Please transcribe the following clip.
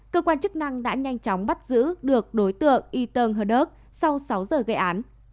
cơ quan chức năng đã nhanh chóng bắt giữ được đối tượng eton hedog sau sáu giờ gây án